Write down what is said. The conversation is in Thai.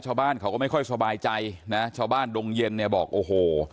ชาวบ้านเขาก็ไม่ค่อยสบายใจนะชาวบ้านดงเย็นเนี่ยบอกโอ้โห